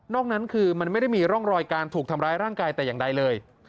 อกนั้นคือมันไม่ได้มีร่องรอยการถูกทำร้ายร่างกายแต่อย่างใดเลย